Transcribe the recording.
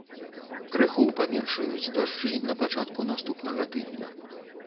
Крыху паменшаюць дажджы на пачатку наступнага тыдня.